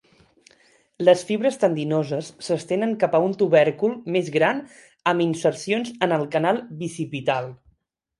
Les fibres tendinoses s'estenen cap a un tubèrcul més gran amb insercions en el canal bicipital.